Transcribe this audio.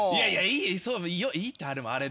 いいってあれもあれでな。